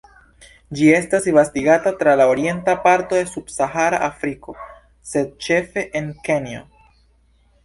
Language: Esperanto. Ĝi estas disvastigata tra la orienta parto de subsahara Afriko, sed ĉefe en Kenjo.